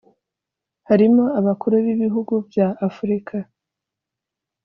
harimo abakuru b’ibihugu bya Afurika